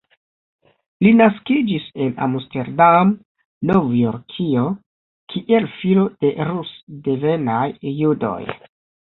Li naskiĝis en Amsterdam, Novjorkio, kiel filo de rus-devenaj judoj.